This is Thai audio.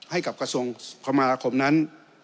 ให้กับกระทรวงคมนาคมนั้น